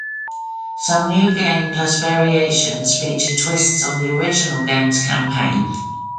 Some New Game Plus variations feature twists on the original game's campaign.